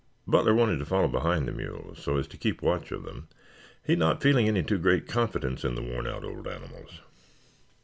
Butler wanted to follow behind the mules so as to keep watch of them, he not feeling any too great confidence in the worn out old animals.